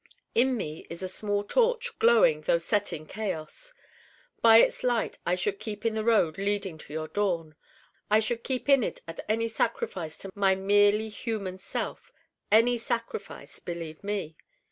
In me is a small torch glowing though set in chaos. By its light I should keep in the road leading to your dawn. I should keep in it at any sacrifice to my merely human self: any sacrifice, believe me.